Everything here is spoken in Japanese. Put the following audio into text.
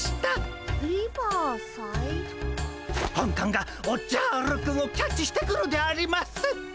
本官がおっじゃるくんをキャッチしてくるであります！